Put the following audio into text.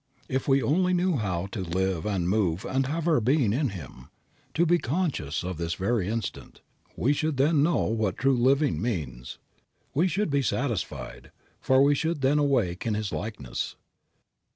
If we only knew how to live and move and have our being in Him, to be conscious of this every instant, we should then know what true living means. We should be satisfied, for we should then awake in His likeness.